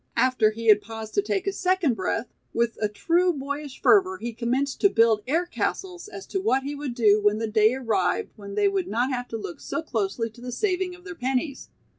After he had paused to take a second breath, with a true boyish fervor, he commenced to build aircastles as to what he would do when the day arrived when they would not have to look so closely to the saving of their pennies.